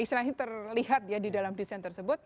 istilahnya terlihat ya di dalam desain tersebut